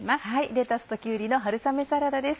レタスときゅうりの春雨サラダです。